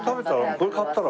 これ買ったら？